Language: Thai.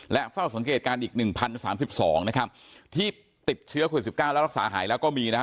และเฝ้าสังเกตการณ์อีก๑๐๓๒นะครับที่ติดเชื้อโควิด๑๙แล้วรักษาหายแล้วก็มีนะฮะ